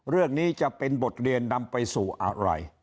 เรื่องนี้จะเป็นบทเรียนนำไปสู่อะไร